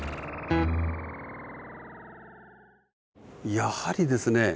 やはりですね